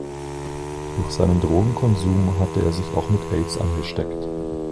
Durch seinen Drogenkonsum hatte er sich auch mit Aids angesteckt.